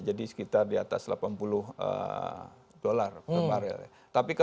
jadi sekitar di atas delapan puluh us dollar per barang